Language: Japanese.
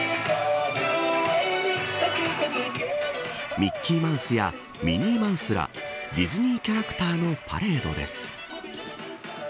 ミッキーマウスやミニーマウスらディズニーキャラクターのパレードです。